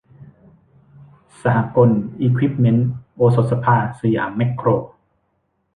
สหกลอิควิปเมนท์ โอสถสภา สยามแม็คโคร